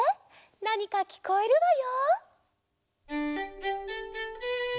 なにかきこえるわよ。